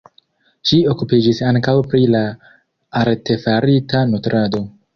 Ŝi okupiĝis ankaŭ pri la artefarita nutrado.